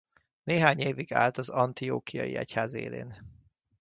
Néhány évig állt az antiochiai egyház élén.